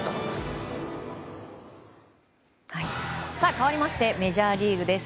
かわりましてメジャーリーグです。